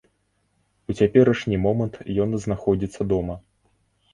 У цяперашні момант ён знаходзіцца дома.